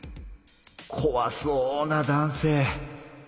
こわそうな男性。